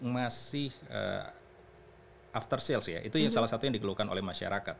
masih after sales ya itu yang salah satu yang dikeluhkan oleh masyarakat